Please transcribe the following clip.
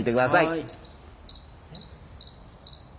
はい。